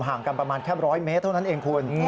ห่างกันประมาณแค่๑๐๐เมตรเท่านั้นเองคุณ